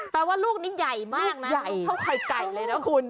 แต่ว่าลูกนี้ใหญ่มากนะคือข้าวไข่ไก่เลยนะคุณ